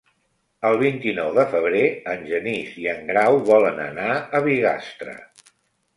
El vint-i-nou de febrer en Genís i en Grau volen anar a Bigastre.